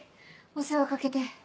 お世話かけて。